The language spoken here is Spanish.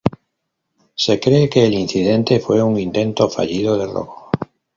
Se cree que el incidente fue un intento fallido de robo.